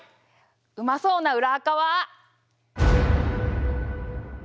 うまそうな「裏アカ」は。